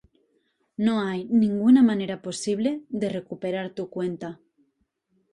No hay ninguna manera posible de recuperar tu cuenta.